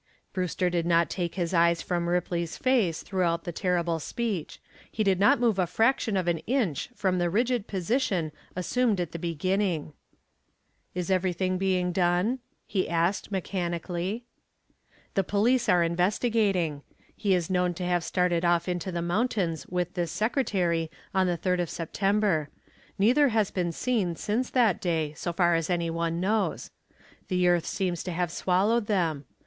Brewster did not take his eyes from Ripley's face throughout the terrible speech; he did not move a fraction of an inch from the rigid position assumed at the beginning. "Is anything being done?" he asked, mechanically. "The police are investigating. He is known to have started off into the mountains with this secretary on the third of September. Neither has been seen since that day, so far as any one knows. The earth seems to have swallowed them.